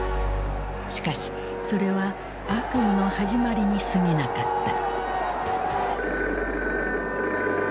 しかしそれは悪夢の始まりにすぎなかった。